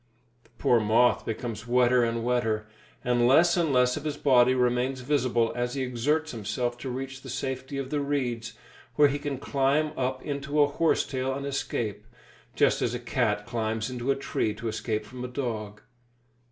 The poor moth becomes wetter and wetter, and less and less of his body remains visible as he exerts himself to reach the safety of the reeds, where he can climb up into a horse tail and escape, just as a cat climbs into a tree to escape from a dog.